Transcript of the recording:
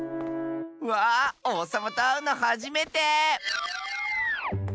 わあおうさまとあうのはじめて。